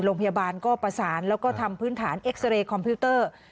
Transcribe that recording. โรงพยาบาลก็ประสานแล้วก็ทำพื้นฐานเอ็กซาเรย์คอมพิวเตอร์